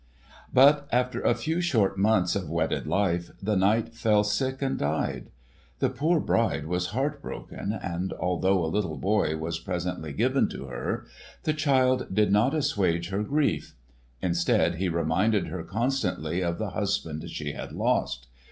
But after a few short months of wedded life the knight fell sick and died. The poor bride was broken hearted, and although a little boy was presently given to her, the child did not assuage her grief. Instead he reminded her constantly of the husband she had lost.